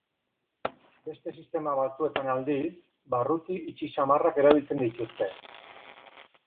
Beste sistema batzuetan, aldiz, barruti itxi samarrak erabiltzen dituzte.